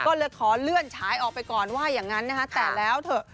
ก็เลยขอเลื่อนฉายออกไปก่อนว่าอย่างนั้นนะคะแต่แล้วเถอะ